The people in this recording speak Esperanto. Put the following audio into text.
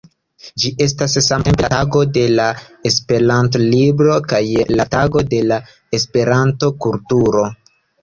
Ĝi estas samtempe la Tago de la Esperanto-libro kaj la Tago de la Esperanto-kulturo.